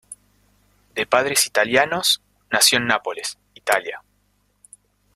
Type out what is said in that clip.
De padres italianos, nació en Nápoles, Italia.